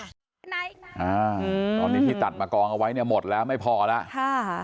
ตอนนี้ที่ตัดมากองเอาไว้หมดแล้วไม่พอแล้ว